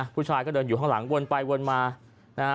ผู้ชายก็เดินอยู่ข้างหลังวนไปวนมานะฮะ